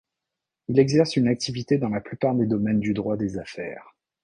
Il exerce une activité dans la plupart des domaines du droit des affaires.